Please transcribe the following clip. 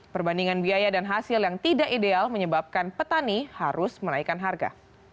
perbandingan biaya dan hasil yang tidak ideal menyebabkan petani harus menaikkan harga